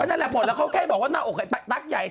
นั่นแหละหมดแล้วเขาแค่บอกว่าหน้าอกตั๊กใหญ่